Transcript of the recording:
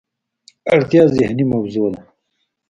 اړتیا ذهني موضوع ده.